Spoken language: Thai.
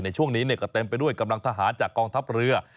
ในช่วงนี้ก็เต็มไปด้วยกำลังทหารจากกองทัพเรือ